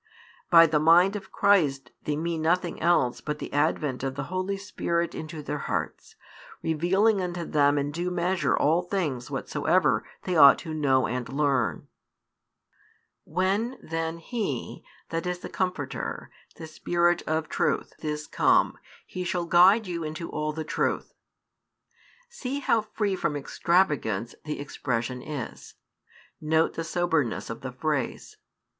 By the Mind of Christ they mean nothing else but the advent of the Holy Spirit into their hearts, revealing unto them in due measure all things whatsoever they ought to know and learn. When then "He," that is the Comforter, the Spirit of Truth, is come, He shall guide you into all the truth. See how free from extravagance the expression is: note the soberness of the phrase.